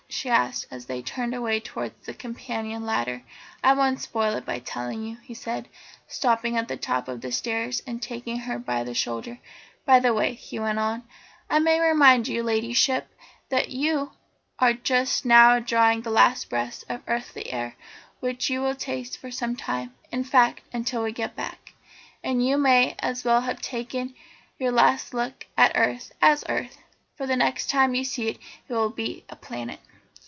she asked as they turned away towards the companion ladder. "I won't spoil it by telling you," he said, stopping at the top of the stairs and taking her by the shoulders. "By the way," he went on, "I may remind your Ladyship that you are just now drawing the last breaths of earthly air which you will taste for some time, in fact until we get back. And you may as well take your last look at earth as earth, for the next time you see it it will be a planet."